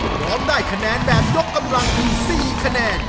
พร้อมได้คะแนนแบบยกกำลังถึง๔คะแนน